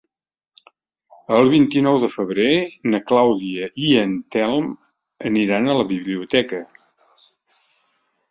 El vint-i-nou de febrer na Clàudia i en Telm aniran a la biblioteca.